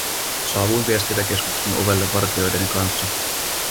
Saavuin viestintäkeskuksen ovelle vartijoideni kanssa.